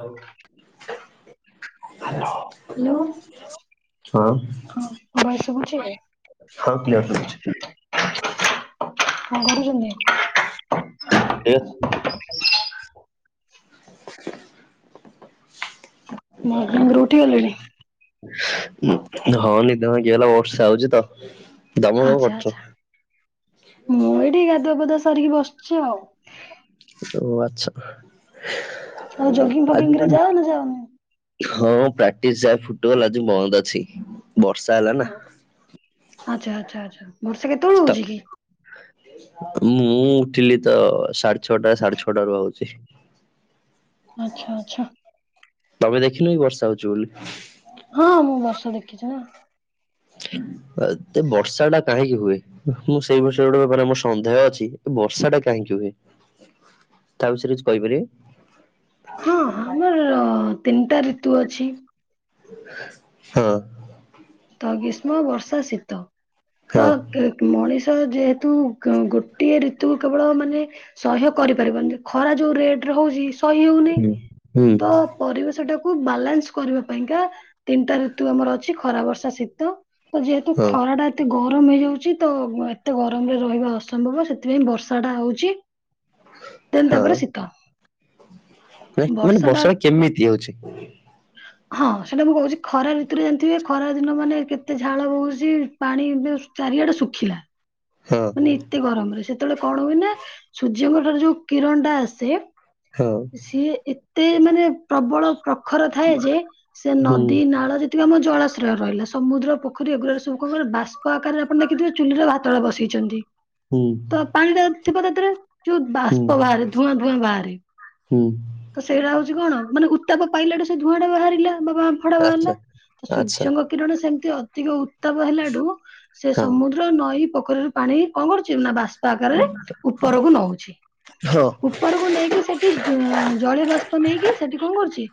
ହଉ। ହେଲୋ। ହଁ, ଭୟ ଶୁଭୁଛି। ହଁ ପ୍ୟଛି [unintelligible] କଣ ଏ କରୁଛନ୍ତି? ମର୍ନିଙ୍ଗ ରୁ ଉଠି ଗ। ହଁ ନିିଦବ ଭାଙ୍ଗି ଗଲା। ବର୍ଷେ ହଉଛି ତ। ତମେ କଣ ଆଚ୍ଛା, କରୁଛ? ଆଚ୍ଛା, ମୁଁ ଏଠି ଗାଧୁଆ ପେଟଧୁଆ ସାରିକି ବସିଛି ଆଉ। ଓ ଆଚ୍ଛା। ଆଉ ଜଙ୍ଗି ଫଙ୍ଗି ରେ ଆଜିକାଲି ଯାଉ ନା ଯାଉନି। ହଁ ପ୍ରାକ୍ଟିସ ଯାଏ ଫୁଟବଲ। ଆଜି ବନ୍ଦ ଅଛି ବର୍ଷା ହେଲା ନା। ଆଚ୍ଛା, ଆଚ୍ଛା, ଆଚ୍ଛା, ବର୍ଷା କେତେବେଳୁ ତ ହଉଛି କି? ମୁଁ ଉଠିଲି ତ ସାଢେ ଛଅଟା ସାଢେ ଛଅଟ ର ହଉଛି। ଆଚ୍ଛା, ଆଚ୍ଛା। ତମେ ଦେଖିନ କି ବର୍ଷା ହଉଛିୁ ବୋଲି? ହଁ ମୁଁ ବର୍ଷା ଦେଖିଛି ନା। ତ ବର୍ଷା ଟା କାହିଁକି ହୁଏ? ମୁଁ ସେଇ ବିଷୟରେ ଗୋଟେ ବେପାର ମୋର ସନ୍ଦେହ ଅଛି ବର୍ଷା ଟା କାହିଁକି ହୁଏ? ତା ବିଷୟରେ କିଛି କହିପାରିବେ? ହଁଁ ଆମର ତିନିଟା ଋତୁ ଅଛି। ହଁ। ତ ଗ୍ରୀଷ୍ମ, ବର୍ଷା, ଶୀତ ତ ହଁ ମଣିଷ ଯେହେତୁ ଗୋଟିଏ ଋତୁ କେବଳ ମାନେ ସହ୍ୟ କରିପାରିବନି ଖରା ଯୋଉ ରେଟରେ ହଉଛି ସହିହଉନି ହୁଁ ହୁଁ, ତ ପରିବେଶଟାକୁ ବାଲାନ୍ସ କରିବା ପାଇଁକା ତିନିଟା ଋତୁ ଆମର ଅଛି ଖରା ବର୍ଷା ଶୀତ ତ ଯେହେତୁ ହଁ ଖ ଖରାଟା ଏତେ ଗରମ ହେଇଯାଉଛି ତ ଏତେ ଗରମରେ ରହିବା ଅସମ୍ଭବ ସେଥିପାଇଁ ବର୍ଷା ଟା ହଉଛି ଦେନ ହଁ ତାପରେ ଶୀତ ନାଇଁ ମାନେ ବର୍ଷାଟା। ବର୍ଷା ଟା କେମିତି ହଉଛି? ହଁ ସେଟା ମୁଁ କହୁଛି ଖରା ଋତୁରେ ଜାଣିଥିବେ ଖରା ଦିନ ମାନେ କେତେ ଝାଳ ବହୁଛି ପାଣି ଚାରିଆଡେ ଶୁଖିଲା। ହଁ ମାନେ ଏତେ ଗରମରେ ସେତେବେଳେ କଣ ହୁଏ ନା ସୂର୍ଯ୍ୟଙ୍କ ଠାରୁ ଯୋଉ କିରଣ ଟା ଆସେ ହଁ ସିଏ ଏତେ ମାନେ ପ୍ରବଳ ପ୍ରଖର ଥାଏ ଯେ ସେ ହୁଁ। ନଦୀ ନାଳରେ ଆମ ଜଳାଶ୍ରୟ ରହିଲା ସମୁଦ୍ର ପୋଖରୀ ଏଗୁଡାରେ ସବୁ କଣ କି ବାଷ୍ପ ଆକାରରେ ଆପଣ ଦେଖିଥିବେ ଚୁଲିର ଭାତଳ ବସେଇଛି ହୁଁ ତ ପାଣିଟା ଥିବ ତାରେ ଯୋଉ ହୁଁ ବାଷ୍ପ ବାହାରେ ଧୂଆଁ ଧୂଆଁ ବାହାରେ ହୁଁ। ତ ସେଇଟା ହଉଛି କଣ ମାନେ ଉତ୍ତାପ ପାଇଲାଟେ ସେ ଧୂଆଁ ଟେ ବାହାରିଲା ବା ବାମ୍ଫଟା ଆଚ୍ଛା ବାହାରିଲା। ତ ଆଚ୍ଛା ସୂର୍ଯ୍ୟଙ୍କ କିରଣ ସେମତି ଅଧିକ ଉତ୍ତାପ ହେଲାଠୁ ସେ ହଁ ସମୁଦ୍ର ନଈ ପୋଖରୀରେ ପାଣି କଣ କରୁଚୁ ନା ବାଷ୍ପ ଆକାରରେ ଉପରକୁ ନଉଛି। ହଁ ଉପରକୁ ନେଇକି ସେଠି ଜ ଜଳିଅ ବାଷ୍ପ ନେଇକି ସେଠି କଣ କରୁଚି?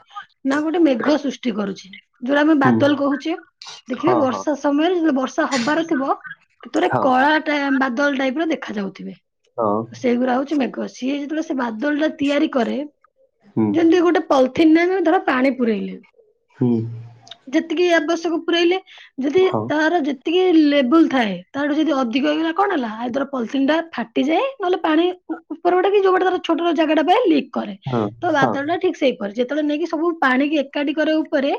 ନା ଗୋଟେ ମେଘ ସୃଷ୍ଟି କରୁଚି ଯୋଉଟା ଆମେ ହୁଁ ବାଦଲ୍ କହୁଚେ। ହଁ ହଁ। ସମୟରେ ଯେତେ ବେଳେ ବର୍ଷା ହବାର ଥିବ ସେତ ଳେ ହଁ କଳା ଟା ବାଦଲ୍ ଟାଇପ୍ର ଦେଖାଯାଉଥିବେ। ହଁ ସେଇଗୁରା ହଉଛି ମେଘ ସିଏ ଯେତେବେଳେ ସେ ବାଦଲ୍ ଟା ତିଆରି କରେ ହୁଁ ଯେମିତି ଗୋଟେ ପଲିଥିନ୍ ନା ଧର ପାଣି ପୁରେଇଲେ। ହୁଁ। ଯେତିକି ଆବଶ୍ୟକ ପୁରେଇଲେ। ଯଦି ହଁ ତାର ଯେତିକି ଲେବୁଲ୍ ଥାଏ ତାଠୁ ଯଦି ଅ ଧିକ ହେଇଗଲା କଣ ହେଲା ଆଇଧର୍ ପଲଥିନ୍ ଟା ଫା ଟି ଯାଏ ନହେଲେ ପାଣି ଉ ଉପର ବାଟେ କି ଯଉବାଟେ ତାର ଛୋଟ ଜାଗା ପାଏ ଲିକ୍ କରେ ହଁ ତ ହଁ ବାଦଲ୍ଟା ଠିକ୍ ସେଇପରେ ଯେତେବେଳେ ନେଇକି ସବୁ ପାଣିିକି ଏକାଠି କରେ ଉପରେ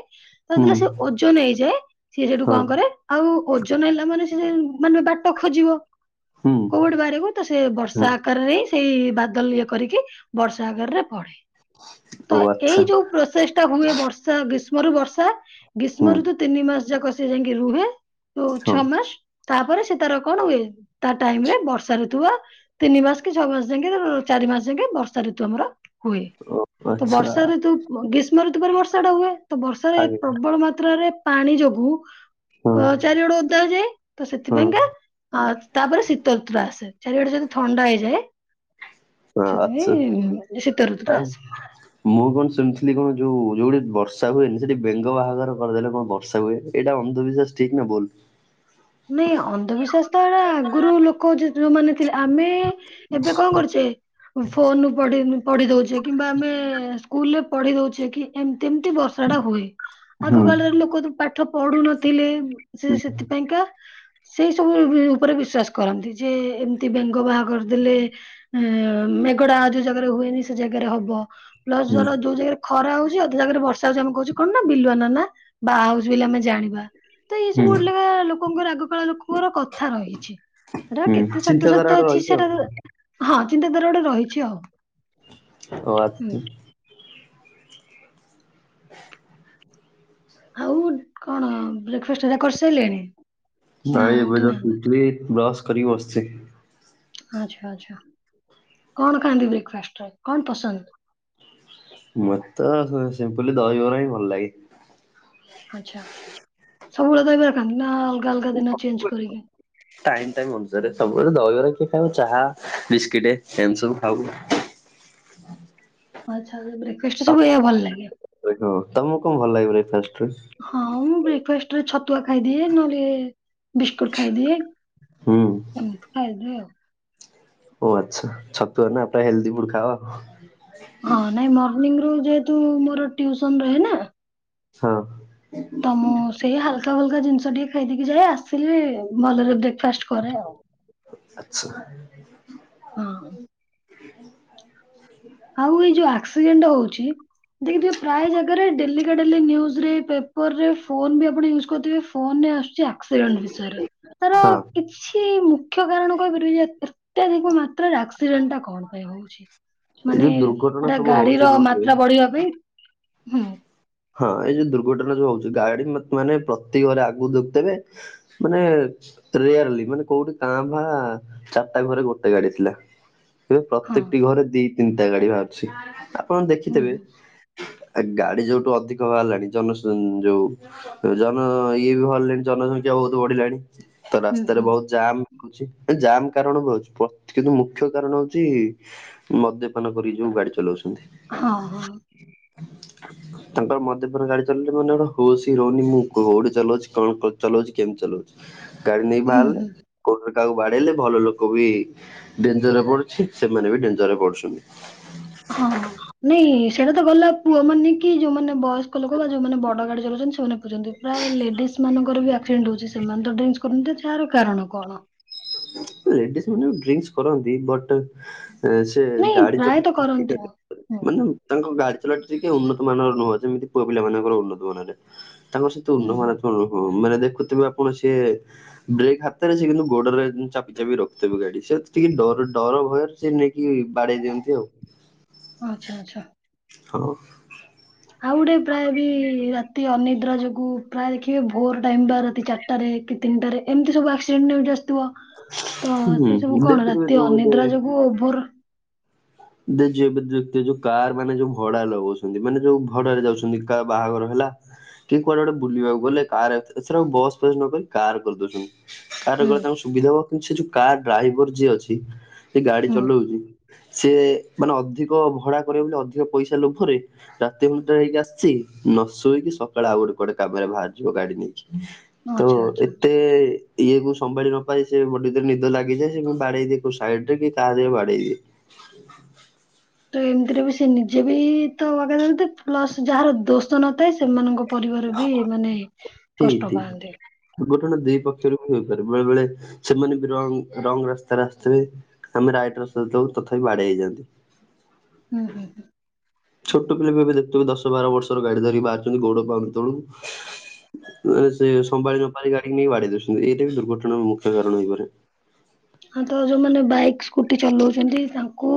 ହୁଁ ଯେତେବେଳେ ସିଏ ଓଜନ ହେଇଯାଏ ସିଏ ସେଠୁ କଣ ହଁ କରେ ଆଉ ଓଜନ୍ ହେଲା ମାନେ ସେ ମାନେ ବା ତ ଖୋଜିବ ହୁଁ କୋଉ ବାଟେ ବାହାରି ବାକୁ ତ ସେ ବର୍ଷା ହୁଁ ଆକାରରେ ହିଁ ସେଇ ବା ଦଲ୍ ଇଏ କରିକି ବର୍ଷାଆକା ରେ ପଡେ। ତ ଓ ଏଇ ଆଚ୍ଛା ଯଉ ପ୍ରୋସେସ୍ ତ ହୁଏ ବର୍ଷା ଗ୍ରୀଷ୍ମରୁ ବର୍ଷା ଗ୍ରୀଷ୍ମ ହୁଁ ଋତୁ ତିନି ମାସ ଯାକ ସେଏ ଯାଇକି ରୁହେ। ଯଉ ହଁ ଛଅ ମାସ୍ ତାପରେ ସେ ତାର କଣ ହୁଏ ତା ଟାଇମ୍ ବର୍ଷା ଋତୁ ବା ତିନି ମାସ୍ କି ଛଅ ମାସ୍ ଯାକେ ଚାରି ମାସ ଯାକେ ବର୍ଷା ଋତୁ ଆମର ହୁଏ। ତ ଆଚ୍ଛା ବର୍ଷା ଋତୁ ଗ୍ରୀଷ୍ମ ଋତୁ ପରେ ବର୍ଷା ଟା ହୁଏ ତ ବର୍ଷାରେ ଆଗେ ପ୍ର ପ୍ରବଳ ମାତ୍ରାରେ ପାଣି ଯୋଗୁ ହଁ ଅ ଚାରିଗଡେ ଓଦା ହେଇ ଯାଏ ତ ହଁ ସେଥିପାଇଁକା ଅ ତାପରେ ଶୀତଋତୁ ଟା ଆସେ ଚାରିଆଡେ ଯଦି ଥଣ୍ଡା ହେଇଯାଏ। ହଁ ଆଛା ସେଥିପାଇଁ ଶୀତ ଋତୁଟା ଆଉ ଆସେ। ମୁଁ କଣ ଶୁଣିିଥିଲି କଣ ଯୋଉ ଯୋଉଠି ବର୍ଷା ହୁଏନି ସେଠି ବେଙ୍ଗ ବାହାଘର କରିଦେଲେ କଣ ବର୍ଷା ହୁଏନି। ଏଇଟା ଅନ୍ଧ ବିଶ୍ୱାସ ଠିକ୍ ନା ଭୁଲ୍? ନାଇଁ ଅନ୍ଧବିଶ୍ୱାସ ତ ଏଟା ଆଗରୁ ଲୋ କ ଯ ଯଉମାନେ ଥିଲେ ଆମେ ଏବେ କଣ କରୁଛେ ଫୋନରୁ ପଢ଼ି ପଢ଼ି ଦଉଛେ କିମ୍ବା ଆମେ ସ୍କୁଲରେ ପଢ଼ି ଦଉଛେ କି ଏମିତି ଏମିତି ବର୍ଷାଟା ହୁଏ ଆଗ ହୁଁ କାଳରେ ଲୋକ ତ ପାଠ ପଢ଼ୁ ନଥିଲେ ସେ ସେଥିପାଇଁକା ସେଇସବୁ ଉପରେ ବିଶ୍ୱାସ କରନ୍ତି ଯେ ଏମିତି ବେଙ୍ଗ ବାହା କରିଦେଲେ ମେଘଟା ଯୋଉ ଜାଗାରେ ହୁଏନି ସେ ଜାଗାରେ ହବ ପ୍ଲସ୍ ହୁଁ ଧର ଯୋଉ ଜାଗାରେ ଖରା ହଉଛି ଅଧା ଜାଗାରେ ବର୍ଷା ହଉଛି ଆମେ କହୁଛୁ କଣ ନା ବିଲୁଆ ନନା ବାହା ହଉଛି ବୋଲି ଆମେ ଜାଣିବା ତ ଇଏ ହୁଁ ସବୁ ଗୋଟେ ଲେଖା ଲୋ ଲୋକଙ୍କର ଆଗକାଳ ଲୋକଙ୍କର କଥା ରହିଛି ସେଟାର ହୁଁ କେତେ ସତ ଚିନ୍ତାଧାରା ସତ ଗୋଟେ ଅଛି ରହିଛି ଆଉ ସେଟାର ହଁ ଚିନ୍ତାଧାରା ଗୋଟେ ରହିଛି ଆଉ। ହୁଁ। [unintelligible] ଆଉ କଣ ବ୍ରେକଫାଷ୍ଟ୍ ହେରିକା କରିସାରିଲେଣି? ନା ନାଇଁ ଏବେ ଜଷ୍ଟ୍ ଉଠିନାହାନ୍ତି? ଉଠିଲି ବ୍ରସ୍ କରିକି ବସିଚି। ଆଛା ଆଛା କଣ ଖାଆନ୍ତି ବ୍ରେକଫାଷ୍ଟରେ କଣ ପସନ୍ଦ? ମୋତେ ତ ସିମ୍ପୁଲ୍ ଦହିବରା ହିଁ ଭଲ ଲାଗେ। ଆଛା ଆଛା ସବୁବେଳେ ଦହିବରା ଖାନ୍ତି ନା ଅଲଗା ଅଲଗା ଦିନ ଚେଞ୍ଜ କରିକି? ଟାଇମ୍ ଟାଇମ୍ ଅନୁସାରେ ସବୁ ବେଳେ ଦହିବରା କିଏ ଖାଇବ ଚାହା ବିସ୍କେଟେ ଏମିତି ସବୁ ଖାଉ। ଆଛା ବ୍ରେକଫାଷ୍ଟରେ ସବୁ ତମକୁ ଏଇୟା ଭଲ ଲାଗେ? ହଁ ତମକୁ କଣ ଭଲ ଲାଗେ ବ୍ରେକଫାଷ୍ଟ୍ରରେ? ହଁ ମୁଁ ବ୍ରେକଫାଷ୍ଟରେ ଛତୁଆ ଖାଇଦିଏ ନହେଲେ ବିସ୍କୁଟ୍ ଖାଇଦିଏ ହୁଁ ଏମିତି ଖାଇଦିଏ ଆଉ। ଓ ଆଛା ଛତୁଆ ନା ପ୍ରାୟେ ହେଲ୍ଦି ଫୁଡ ଖାଅ। ହଁ ନାଇ ମର୍ନିଂରୁ ଯେହେତୁ ମୋର ଟିଉସନ ରହେନା ହଁ। ତ ମୁଁ ସେଇ ହାଲକା ଫାଲକା ଜିନିଷ ଟିକେ ଖାଇ ଦେଇକି ଯାଏ ଆସିଲେ ଭଲରେ ବ୍ରେକଫାଷ୍ଟ କରେ ଆଉ ଆଚ୍ଛା। ହଁ ହଁ। ଆଉ ଏଇ ଯୋଉ ଆକ୍ସିଡେଣ୍ଟ ହଉଛି ଦେଖିଥିବେ ପ୍ରାୟ ଜାଗାରେ ଡେଲିକା ଡେଲି ନିଉଜରେ ପେ ଫୋନ ବି ଆପଣ ୟୁଜ କରୁଥିବେ ଫୋନରେ ଆସୁଛି ଆକ୍ସିଡେଣ୍ଟ ବିଷୟରେ ତାର ହଁ କିଛି ମୁଖ୍ୟ କାରଣ କହିପାରିବେ ଯେ ଅତ୍ୟଧିକ ମାତ୍ରାରେ ଆକ୍ସିଡେଣ୍ଟଟା କଣ ପାଇଁ ହଉଛି? ଏଇ ମାନେ ଯୋଉ ଦୁର୍ଘଟଣା ଏଟା ସବୁ ହଉଛି ଗାଡିର ରୋଡରେ ମାତ୍ରା ବଢିବା ପାଇଁ ହୁଁ? ହଁ ଏଇ ଯୋଉ ଦୁର୍ଘଟଣା ଯୋଉ ହଉଛି ଗାଡି ମାନେ ପ୍ରତି ଘରେ ଆଗକୁ ଦେଖିଥିବେ ମାନେ ରେୟାରଲି ମାନେ କୋଉଠି କାଁ ଭାଁ ଚାରିଟା ଘରେ ଗୋଟେ ଗାଡି ଥିଲା। ଏବେ ହଁ ପ୍ରତ୍ୟେକଟି ଘରେ ଦି ତିନିଟା ଗାଡି ବାହାରୁଛି ଆପଣ ହୁଁ ଦେଖିଥିବେ। ହୁଁ ଆ ଗାଡି ଯୋଉଠୁ ଅଧିକ ବାହାରିଲାଣି ଜନ ଯୋଉ ଜନ ଇଏ ବି ବଢ଼ିଲଣି ଜନସଂଖ୍ୟା ବହୁତ ବଢିଲାଣି ତ ହୁଁ ରାସ୍ତାରେ ହୁଁ ବହୁତ ଜାମ୍। ଜାମ କାରଣ ବି ହଉଛି କିନ୍ତୁ ମୁଖ୍ୟ କାରଣ ହଉଛି ମଦ୍ୟପାନ କରି ଯୋଉ ଗାଡି ଚଲଉଛନ୍ତି। ହଁ ହଁ। ହ ତାଙ୍କର ମଦପୁର ଗାଡି ଚଲେଇଲେ ମାନେେ ହୋଉ ହି ରହୁନି ମୁଁ କୋଉଠି ଚଲାଉଛି କଣ ଚଲାଉଛିମିତି ଚଲାଉଛି। ଗାଡି ନେଇ ହୁଁ ଭାଲେ ହୁଁ। କ କାହାକୁ ବାଡେଇଲେ ଭଲ ଲୋକ ବି ଡେଞ୍ଜରରେ ପଡୁଛି ସେମାନେ ବି ଡେଞ୍ଜର ରେ ପଡୁଛନ୍ତି। ହଁ। ନାଇଁ ସେଇଟା ତ ଗଲା ପୁଅମାନେ କି ଯୋଉମାନେ ବୟସ୍କ ଲୋକ ବା ଯୋଉମାନେ ବଡ ଗାଡି ଚଲାଉଛନ୍ତି ସେମାନେ ପୁଜନ୍ତି। ପ୍ରାୟ ଲେଡିଜ ମାନଙ୍କର ବି ଆକ୍ସିଡେଣ୍ଟ ହଉଛି ସେମାନେ ତ ଦେନ୍ସ କରୁନ୍ତି ଯାହାର କାରଣ କଣ। ଲେଡିସ ମାନେ ଡ୍ରିଙ୍କସ କରନ୍ତି ବଟ୍ ଅ ସେ ନାଇଁ ଗାଡି ଚଛି ପ୍ରାୟତଃ ଟି କରନ୍ତି ହୁଁ ମାନେ ତାଙ୍କ ଗାଡି ଚଲା ଟିକେ ଉନ୍ନତ ମାନର ନୁହଁ ଯେମିତି ପୁଅ ପିଲା ମାନଙ୍କର ଉନ୍ନତ ମାନରେ। ତାଙ୍କ ସହିତ ହୁଁ ହୁଁ ନହନା କଣ ହଁ ମାନେ ଦେଖୁଥିବେ ଆପଣ ସିଏ ବ୍ରେକ୍ ହାତରେ ସେ କିନ୍ତୁ ଗୋଡରେ ଚାପି ଚାପି ରଖିଥିବି ଗାଡି। ସେ ଟିକେ ଡର ଡର ଭୟରେ ସେ ନେଇକି ବାଡେଇ ଦିଅନ୍ତି ଆଉ। ଆଛା ଆଚ୍ଛା ହଁ। ଆଉ ଟେ ପ୍ରାୟ ବି ରାତି ଅନିଦ୍ରା ଯୋଗୁ ପ୍ରାୟ ଦେଖିବେ ଭୋର ଟାଇମ ବା ରାତି ଚାରି ଟାରେ କି ତିନିଟାରେ ଏମିତି ସବୁ ଆକ୍ସିଡେଣ୍ଟ ଆସିଥିବ। ତ ସେ ସବୁ ହୁଁ କଣ ଦେଖୁଥିବେ ରାତି ଯୋଉ ଏବେ ଅନିଦ୍ରା ଯୋଗୁ ଓଭର ଦେ ଯ ଏବେ ଯୋଉ କାର ମାନେ ଯୋ ଭଡା ଲଗାଉଛନ୍ତି ମାନେ ଯୋଉ ଭଡାରେ ଯାଉଛନ୍ତି କା ବାହାଘର ହେଲା କି କୁଆଡେ ଗୁଟେ ବୁଲିବାକୁ ଗଲେ କାରା ବସ୍ ଫସ ନକରି କାର କରିଦଉଛନ୍ତି। କାର ହୁଁ ଗ ତାଙ୍କ ସୁବିଧା ହବ। କିନ୍ତୁ ସେ ଯୋ କାର୍ ଡ୍ରାଇଭର ଯିଏ ଅଛି ସେ ଗାଡି ହୁଁ ଚଲଉଛି ସେ ମାନେ ଅଧିକ ଭଡା କରିବ ବୋଲି ଅଧିକ ପଇସା ଲୋଭରେ ରାତି ଘଣ୍ଟଟା ହେଇକି ଆସିଛି ନ ଶୋଇକି ସକାଳେ ଆଉ ଗୋଟେ କୁଆଡେ କାମରେ ବାହାରିଯିବ ଗାଡି ନେଇକି। ତ ଆଚ୍ଛା ଆଚ୍ଛା ଏତେ ଇଏକୁ ସମ୍ଭାଳି ନପାରେ ସେ ବରେ ନିଦ ଲାଗିଯାଏ ସେ ବାଡେଇ ଦିଏ କୋଉ ସାଇଡ ରେ କି କାହାର ବାଡେଇ ଦିଏ। ତ ଏମିତିରେ ବି ସେ ନିଜେ ବି ତ ମଗେଇ ଦନ୍ତି ପ୍ଲସ ଯାହାର ଦୋଷ ନଥାଏ ସେମାନଙ୍କ ପରିବାର ବି ମାନେ କଷ୍ଟ ତେଇକ। ପାଆନ୍ତି। ଘୋଟଣା ଦି ପକ୍ଷରୁ ବି ହେଇପାରେ ବେଳେ ବେଳେ ସେମାନେ ବି ର ରଙ୍ଗ ରାସ୍ତାରେ ଆସିଥିବେ। ଆମେ ରାଇଟ ରାସ୍ତାରେ ଯାଉ ତଥାପି ବାଡେଇ ହେଇଯାଆନ୍ତି। ହୁଁ ହୁଁ। ଛୋଟ ପିଲା ବି ଏବେ ଦେଖୁଥିବେ ଦଶ ବାର ବର୍ଷର ଗାଡି ଧରି ବାହାରୁଛନ୍ତି ଗୋଡ ପାଉନି ତଳକୁ। ମାନେ ସେ ସମ୍ଭାଳି ନପାଳି ଗାଡି ନେଇ ବାଡେଇ ଦଉଛନ୍ତି ଏଇଟା ବି ଦୁର୍ଘଟଣାର ମୁଖ୍ୟ କାରଣ ହେଇପାରେ। ହଁ ତ ଯୋମାନେ ବାଇକ ସ୍କୁଟି ଚଲାଉଛନ୍ତି ତାଙ୍କୁ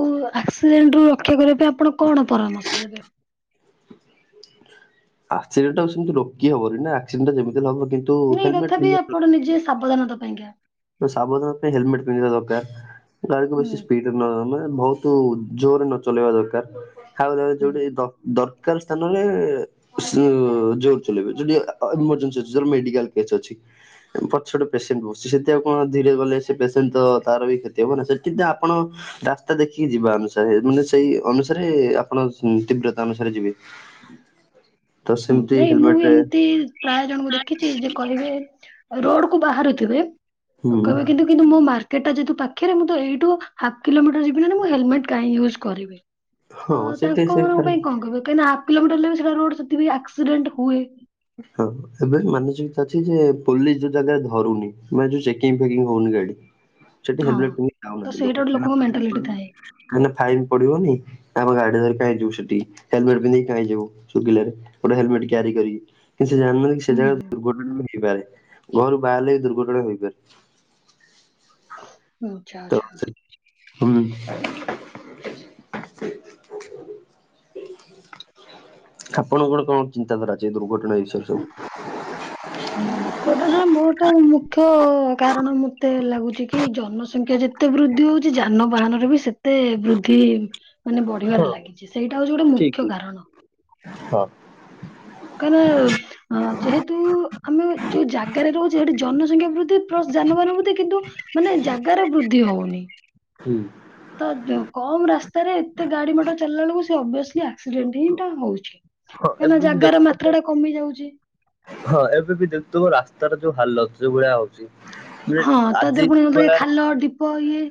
ଆକ୍ସିଡେଣ୍ଟ ରୁ ରକ୍ଷା କରି ଏ ଆପଣ କଣ ପରାମର୍ଶ ଦେବେ? ଆକ୍ସିଡଟ ସେମତି ରୋକି ହବନି ନା ଆକ୍ସିଡେଣ୍ଟ ଯେମିତି ହେଲେହବ କି ନାଇଁ ତଥାପି ଆପଣ ନିଜେ ସାବଧାନତା ପାଇଁକା ସାବଧାନ ପାଇଁ ହେଲମେଟ ପିନ୍ଧିବା ଦରକାର। ଗାଡିକୁ ହୁଁ ବେସି ସ୍ପିଡରେ ନ ନେବା ମାନେ ବହୁ ତ ଜୋରରେ ନ ଚଲେଇବା ଦରକାର ଖ ହୁଁ। ଯୋଉଠି ଦରକାର ସ୍ଥାନରେ ଜୋର ଚଲେଇବେ ଯୋଠି ଏମର୍ଜେନ୍ସି ଅଛି ଯୋଠେ ମେଡିକାଲସ୍ ଅଛି। ପଛ ଛୋ ପେସେଣ୍ଟ ବହୁୁଛି ସେ କଣ ଧୀରେ ଗଲେ ସେ ପେସେଣ୍ଟ ତ ତାର ବି କ୍ଷତି ହବ ନା ସେଠି ଆପଣ ରାସ୍ତା ଦେଖୀ ଯିବା ଅନୁସାରେ ମାନେ ସେଇ ଅନୁସାରେ ଆପଣ ତୀବ୍ରତା ଅନୁସାରେ ଯିବେ। ହୁଁ ତ ହୁଁ ସେମିତି ନାଇଁ ମୁଁ ହେଲମେଟ ବି ଏମିତି ପ୍ରାୟ ଜଣଙ୍କୁ ଦେଖିଛି ଯେ କହିବେ ରୋଡ଼୍ କୁ ବାହାରୁଥିବେ ହୁଁ କହିବେ କିନ୍ତୁ କିନ୍ତୁ ମୋ ମାର୍କେଟେ ଯେହେତୁ ପାଖରେ ମୁଁ ତ ଏଇଠୁ ହାପ୍ କିଲୋମିଟର ଯିବି ମାନେ ହେଲେମେଟ୍ କାହିଁ ୟୁଜ୍ କରିବି ତ ହଁ ସେଠି ତାଙ୍କ ସେ ମାନଙ୍କ ପାଇଁ କଣ କହିବ କାହିଁକିନା ହାପ୍ କିଲୋମିଟର ହେଲେ ବି ସେଟା ରୋଡ଼୍ ସେଥିପାଇଁ ଆକ୍ସିଡେଣ୍ଟ ହୁଏ ହଁ ଏବେ ମାନସିକତା ଅଛି ଯେ ପୋଲିସ ଯୋଉ ଜାଗାରେ ଧରୁନି ମାନେ ଯୋଉ ଚେକିଙ୍ଗି ଫେକିଙ୍ଗି ହଉନି ଗାଡ଼ି ସେଠି ହଁ ହେଲମେଟ୍ ପିନ୍ଧି ତ ଯାଉନାହାନ୍ତି ସେଇଟା ଲୋକ ଗୋଟେ ଲୋକଙ୍କ ମେଣ୍ଟାଲିଟି ଥାଏ। କାଇଁ ନା ଫାଇନ୍ ପଡିବନି ଆମେ ଗାଡ଼ିରେ କାଇଁ ଯିବୁ ସେଠି ହେଲେମେଟ୍ ପନ୍ଧିକି କାଇଁ ଯିବୁ ଶୁଖିଲା ରେ ଗୋଟେ ହେଲେମେଟ୍ କ୍ୟାରି କରି କିନ୍ତୁ ସେ ଜାଣିନାହାନ୍ତି କି ସେ ହୁଁ ଜାଗାରେ ଦୁର୍ଘଟଣା ବି ହେଇପାରେ ଘରୁ ବାହାରିଲେ ବି ଦୁର୍ଘଟଣା ହେଇପାରେ ଆଚ୍ଛା ତ ଆଛା ହୁଁ ଆପଣଙ୍କୁ କଣ କଣ ଚିନ୍ତାଧାରା ଅଛି ଦୁର୍ଘଟଣା ବିଷୟରେ ସବୁ ଦୁର୍ଘଟନା ମୋ ତ ମୁଖ୍ୟ କାରଣ ମତେ ଲାଗୁଛି କି ଜନସଂଖ୍ୟା ଯେ ଏତେ ବୃଦ୍ଧି ହେଉଛି ଯାନବାହାନରେ ବି ସେତେ ବୃଦ୍ଧି ମାନେ ହଁ ବଢିବାରେ ଲାଗେ ସେଇଟା ହେଉଛି ଗୋଟେ ମୁଖ୍ୟ କାରଣ ହଁ କାରେଭେ ହଁ ଯେହେତୁ ଆମେ ଯୋଉ ଜାଗାରେ ରହୁଛେ ସେଠି ଜନସଂଖ୍ୟା ବୃଦ୍ଧି ପ୍ଲସ୍ ଯାନବାହାନ ବୃଦ୍ଧି କିନ୍ତୁ ମାନେ ଜାଗାର ବୃଦ୍ଧି ହଉନି ହୁଁ ତ କମ୍ ରାସ୍ତାରେ ଏତେ ଗାଡ଼ି ମଟର ଚାଲିଲାବେଳକୁ ଅଭ୍ୟସିଲ୍ ଆକ୍ସିଡେଣ୍ଟ ହିଁଟା ହଉଛି ହଁ କାହିଁକ ନା ଏବେ ବି ଜାଗାର ଦେଖୁଥିବ ମାତ୍ରା ଟା କମି ଯାଉଛି ହଁ ଏବେ ବି ଦେଖୁଥିବ ରାସ୍ତାର ଯୋଉ ହାଲତ ଯୋଉ ଭଳିଆ ହ ହଁ ହଁ ତା ଦେହରେ ପୁଣି ଖାଲ ଢୀପ ଇଏ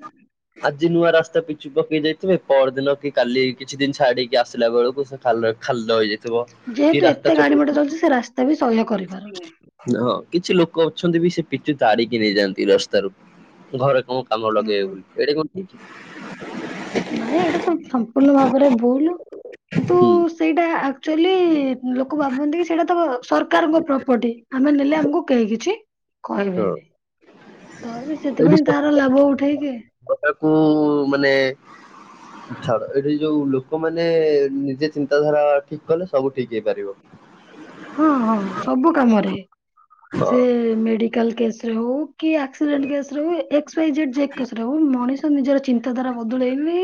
ଆଜି ନୂଆ ରାସ୍ତା ପିଚୁପକେଇ ଯାଇଥିବେ ପରଦିନ କି କାଲି କିଛି ଦିନ ଛାଡିକି ଆସିଲା ବେଳକୁ ତାପରେ ଖାଲ ହେଇଯାଇ ଯେହେତୁ ଏତେ ଗାଡ଼ି ମଟର ଚାଳୁଛି ସେ ରାସ୍ତା ବି ସହ୍ୟ କରିପାରୁନି ହଁ କିଛି ଲୋକ ଅଛନ୍ତି ବି ସେ ପିଚୁ ତାଡିକି ନେଇଯାଆନ୍ତି ରାସ୍ତାରୁ ଘରେ କଣ କାମରେ ହୁଁ ଲଗେଇବାକୁ ଏଇଠି କଣ ନାଇଁ ଏଇଟା ତ ସମ୍ପୂର୍ଣ୍ଣ ଭାବରେ ଭୁଲ କିନ୍ତୁ ହୁଁ ସେଇଟା ଆକ୍ଚୁଆଲି ଲୋକ ଭାବନ୍ତି କି ସେଇଟା ତ ସରକାରଙ୍କ ପ୍ରପର୍ଟି ଆମେ ନେଲେ ଆମକୁ କେହି କିିଛି ହଁ କହିବେନି ତରେ ସେଥିପାଇଁ ତାର ଲାଭ ଉଠେଇବେ ଗୋଟାକୁ ମାନେ ଛାଡ଼ ଏଠି ଯୋଉ ଲୋକମାନେ ନିଜେ ଚିନ୍ତାଧାରା ଠିକ୍ କଲେ ସବୁ ଠିକ୍ ହେଇପାରିବ ହଁ ହଁ ସବୁ କାମରେ ସେ ହଁ। ମେଡିକାଲ୍ କେସ୍ ରେ ହଉ କି ଆକ୍ସିଡେଣ୍ଟ କେସ୍ ଏକ୍ ୱ। ଇ ଜେଡେ ମଣିଷ ନିଜର ଚିନ୍ତାଧାରା ବଦଳେଇଲେ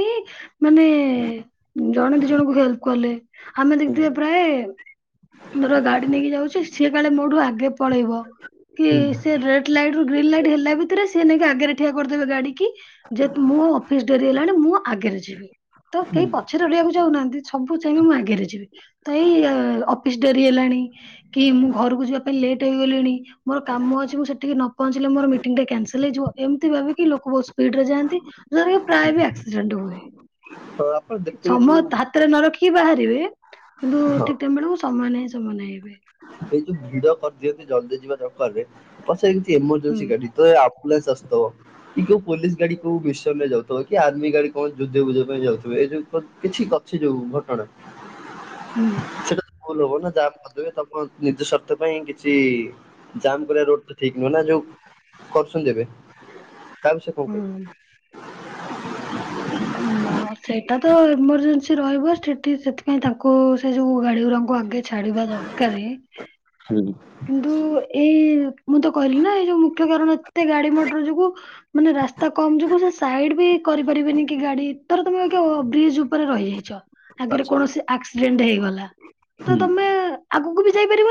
ମାନେ ଜଣେ ଦି ଜଣଙ୍କୁ ହେଲ୍ପ କଲେ ଆମେ ହୁଁ ଦେଖିଥିବା ପ୍ରାୟ ମୋର ଗାଡ଼ି ନେଇକି ଯାଉଛି ସିଏ କାଳେ ମୋଠୁ ଆଗେ ପଳେଇବ କି ସେ ରେଡେ ଲାଇଟରୁ ଗ୍ରୀନ୍ ଲାଇଟ୍ ହେଲା ଭିତରେ ସିଏ ନେଇକି ଆଗରେ ଠିଆ କରିଦେବେ ଗାଡ଼ି କି ଯେ ମୋ ଅଫିସି ଡେରି ହେଲାଣି ମୁଁ ଆଗରେ ଯିବି ତ କେହି ପଛରେ ରହିବାକୁ ଚାଉନାହାନ୍ତି ସବୁ ଚାହିଁବେମୁଁ ଆଗରେ ଯିବି ତ ଏଇ ଅଫିସି ଡେରି ହେଲାଣି କି ମୁଁ ଘରକୁ ଯିବା ପାଇଁ ଲେଟ୍ ହେଇଗଲିଣି ମୋର କାମ ଅଛି ମୁଁ ସେଠିକି ନ ପହଞ୍ଚିଲେ ମୋର ମିଟିଙ୍ଗି ଟା କ୍ୟାନସଲ୍ ହେଇଯିବ ଏମିତି ଭାବି ଲୋକ ବହୁତ ସ୍ପିଡିରେ ରେ ଯାଆନ୍ତି ଠାରେ ପ୍ରାୟ ବି ଆକ୍ସିଡେଣ୍ଟ ହୁଏ। ହଁ। ଆପଣ ଦେଖୁଥିବେ ସମୟ ଯୋଉ ହାତରେ ନ ରଖିକି ବାହାରିବେ କିନ୍ତୁ ହଁ ଠିକ ଟାଇମ ବେଳକୁ ସମୟ ନାହିଁ ସମୟ ନାହିଁ ହେବେ। ଏଇ ଯୋଉ ଭିଡ କରିଦିଅନ୍ତି ଜଲ୍ଦୀ ଯିବା ଚକରରେ ପଛରେ କିଛି ହୁଁ। ଏମର୍ଜେନ୍ସି ଗାଡି ତ ଏ ଆମ୍ପୁଲନ୍ସ ଆସୁଥିବ କି କୋଉ ପୋଲିସ ଗାଡ଼ି କୋଉ ମିସନରେ ଯାଉ ଥିବ କି ଆର୍ମି ଗାଡି କଣ ଯୁଦ୍ଧ ବୁଧ ପାଇଁ ଯାଉଥିବ ଏଇ ଯୋଉ କିଛି ଅଛି ଯୋଉ ଘଟଣା? ହୁଁ। ସେଇଟା ତ ଭୁଲ ହବ ନା ଜାମ୍ କରିଦେବେ ତମକୁ ନିଜ ସ୍ୱାର୍ଥ ପାଇଁ କିଛି ଜାମ୍ କରିବା ରୋଡ ଠିକ ନୁହେଁନା ଯୋଉ କରୁସନ୍ତି ଏବେ। ତା ବିଷୟରେ କଣ ହୁଁ। କହିବେ? ନା ସେଇଟା ତ ଏମରଜେନ୍ସି ରହିବ ସେଠି ସେଥିପାଇଁ ତାଙ୍କୁ ସେ ଯୋଉ ଗାଡିଗୁରାଙ୍କୁ ଆଗେ ଛାଡିବା ଦରକାରେ ହୁଁ। କି ନ୍ତୁ ଏଇ ମୁଁ ତ କହିଲି ନା ଏଇ ଯୋଉ ମୁଖ୍ୟ କାରଣ ଏତେ ଗାଡି ମଟର ଯୋଗୁ ମାନେ ରାସ୍ତା କମ ଯୋଗୁ ସେ ସାଇଡ ବି କରିପାରିବେନି କି ଗାଡି ଧର ତମେ ଏକା ବ୍ରିଜ ଉପରେ ରହିଯାଇଛ। ଆଗରେ ଆଚ୍ଛା କୌଣସି ଆକ୍ସିଡେଣ୍ଟ ହେଇଗଲା ତ ହୁଁ। ତମେ ଆଗକୁ ବି ଯାଇପାରିବନି।